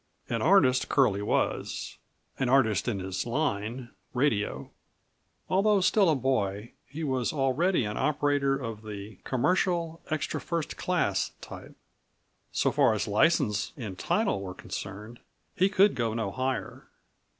An artist Curlie was, an artist in his line—radio. Although still a boy, he was already an operator of the "commercial, extra first class" type. So far as license and title were concerned, he could go no higher.